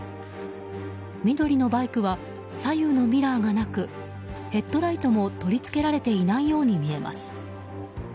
緑のバイクは左右のミラーがなくヘッドライトも取り付けられていないように見えます。